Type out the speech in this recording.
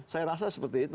saya rasa seperti itu